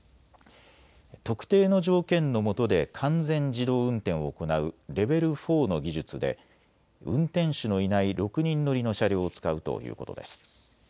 特定の条件のもとで完全自動運転を行うレベル４の技術で運転手のいない６人乗りの車両を使うということです。